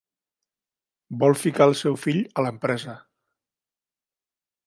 Vol ficar el seu fill a l'empresa.